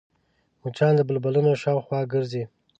مچان د بلبونو شاوخوا ګرځي